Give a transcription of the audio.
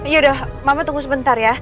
yaudah mama tunggu sebentar ya